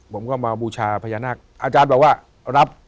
ผมก็มาบูชาพญานาคอาจารย์บอกว่ารับ